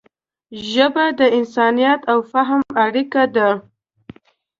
ژبه د انسانیت او فهم اړیکه ده